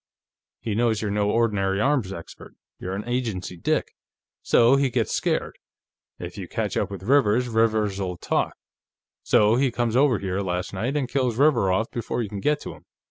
He knows you're no ordinary arms expert; you're an agency dick. So he gets scared. If you catch up with Rivers, Rivers'll talk. So he comes over here, last night, and kills Rivers off before you can get to him.